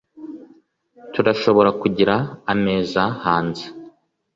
Turashobora kugira ameza hanze